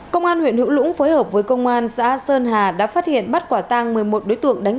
công an huyện hữu lũng phối hợp với công an xã sơn hà đã phát hiện bắt quả tang một mươi một đối tượng đánh